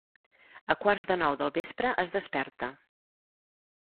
A quarts de nou del vespre es desperta.